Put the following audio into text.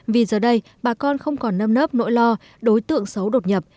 vì giờ đây bà con không còn nâm nớp nỗi lo đối tượng xấu đột nhập